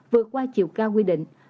vượt qua chiều cao quy định